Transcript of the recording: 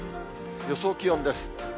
予想気温です。